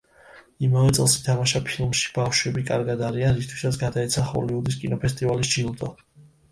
იმავე წელს ითამაშა ფილმში „ბავშვები კარგად არიან“, რისთვისაც გადაეცა ჰოლივუდის კინოფესტივალის ჯილდო.